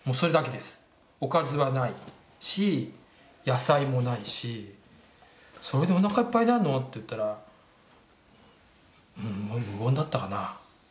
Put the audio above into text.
おかずはないし野菜もないし「それでおなかいっぱいになるの？」って言ったら無言だったかなぁ。